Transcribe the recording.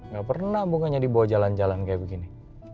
gak pernah bukannya dibawa jalan jalan kayak begini